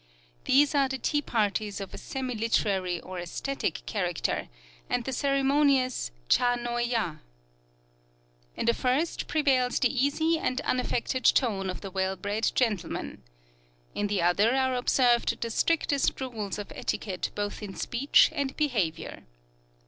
These are the tea parties of a semi literary or aesthetic character, and the ceremonious Châ no ya. In the first prevails the easy and unaffected tone of the well bred gentleman. In the other are observed the strictest rules of etiquette both in speech and behavior.